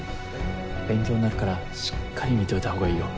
勉強になるからしっかり見ておいたほうがいいよ。